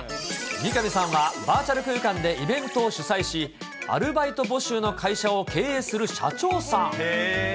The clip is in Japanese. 三上さんはバーチャル空間でイベントを主催し、アルバイト募集の会社を経営する社長さん。